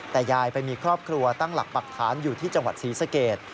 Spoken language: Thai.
แต่ยายไปมีครอบครัวตั้งหลักปรักฐานอยู่ที่จังหวัดศรีสเกต